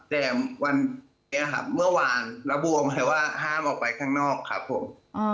แต่วันเมื่อวานระบูออกมาว่าห้ามออกไปข้างนอกครับผม